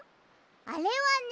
あれはね